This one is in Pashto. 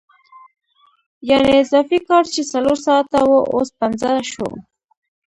یانې اضافي کار چې څلور ساعته وو اوس پنځه شو